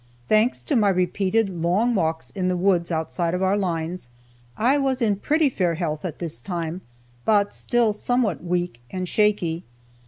Thanks to my repeated long walks in the woods outside of our lines, I was in pretty fair health at this time, but still somewhat weak and shaky.